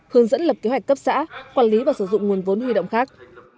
hướng dẫn lập kế hoạch cấp xã quản lý và sử dụng nguồn vốn huy động khác